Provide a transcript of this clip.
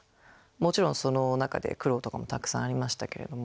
もちろんその中で苦労とかもたくさんありましたけれども。